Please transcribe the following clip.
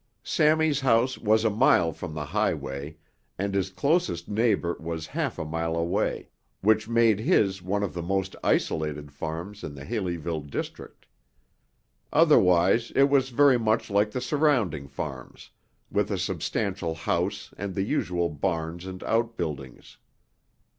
Sammy's house was a mile from the highway and his closest neighbor was half a mile away, which made his one of the most isolated farms in the Haleyville district. Otherwise it was very much like the surrounding farms, with a substantial house and the usual barns and outbuildings.